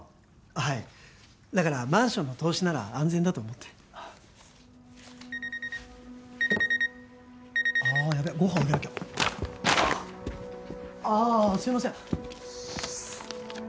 はいだからマンションの投資なら安全だと思ってあヤベッご飯あげなきゃあっああすいません